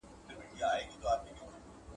• يو به مړ نه سي، بل به موړ نه سي.